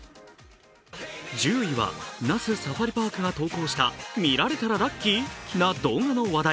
１０位は那須サファリパークが投稿した、見られたらラッキーな動画の話題。